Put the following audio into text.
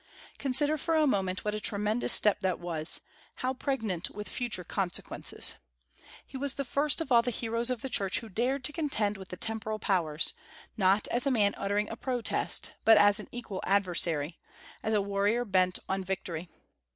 Consider, for a moment, what a tremendous step that was, how pregnant with future consequences. He was the first of all the heroes of the Church who dared to contend with the temporal powers, not as a man uttering a protest, but as an equal adversary, as a warrior bent on victory.